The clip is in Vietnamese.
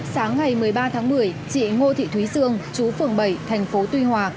sáng ngày một mươi ba tháng một mươi chị ngô thị thúy sương chú phường bảy thành phố tuy hòa